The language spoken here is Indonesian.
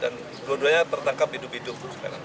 dan keduanya tertangkap hidup hidup